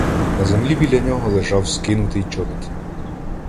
на землі біля нього лежав скинутий чобіт.